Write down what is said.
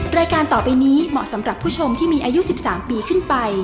รายการต่อไปนี้เหมาะสำหรับผู้ชมที่มีอายุ๑๓ปีขึ้นไป